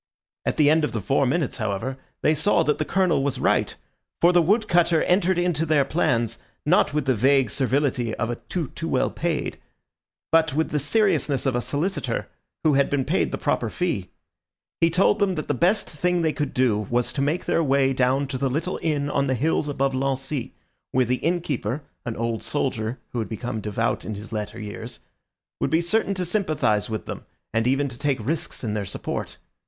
At the end of the four minutes, however, they saw that the Colonel was right, for the wood cutter entered into their plans, not with the vague servility of a tout too well paid, but with the seriousness of a solicitor who had been paid the proper fee. He told them that the best thing they could do was to make their way down to the little inn on the hills above Lancy, where the innkeeper, an old soldier who had become dévot in his latter years, would be certain to sympathise with them, and even to take risks in their support.